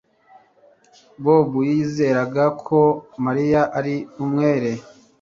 Bobo yizeraga ko Mariya ari umwere